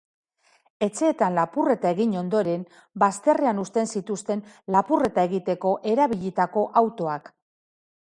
Etxeetan lapurreta egin ondoren, bazterrean uzten zituzten lapurreta egiteko erabilitako autoak.